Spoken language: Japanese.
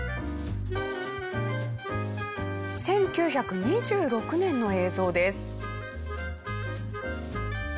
１９２６年の映像です。